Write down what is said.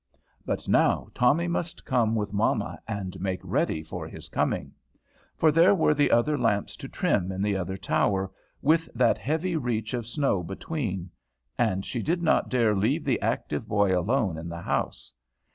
But now Tommy must come with mamma, and make ready for his coming." For there were the other lamps to trim in the other tower, with that heavy reach of snow between. And she did not dare leave the active boy alone in the house.